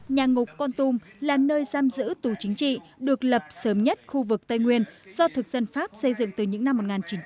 nhà ngục con tum là nơi giam giữ tù chính trị được lập sớm nhất khu vực tây nguyên do thực dân pháp xây dựng từ những năm một nghìn chín trăm một mươi năm một nghìn chín trăm một mươi bảy